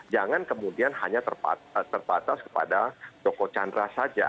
jangan kemudian hanya terbatas kepada joko chandra saja